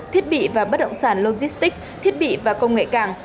thiết bị và bất động sản logistics thiết bị và công nghệ cảng